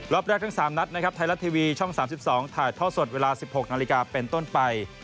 แรกทั้ง๓นัดนะครับไทยรัฐทีวีช่อง๓๒ถ่ายท่อสดเวลา๑๖นาฬิกาเป็นต้นไป